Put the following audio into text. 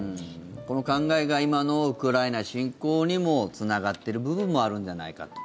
この考えが今のウクライナ侵攻にもつながってる部分もあるんじゃないかと。